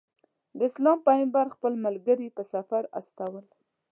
د اسلام پیغمبر خپل ملګري په سفر استول.